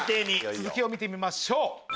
続きを見てみましょう。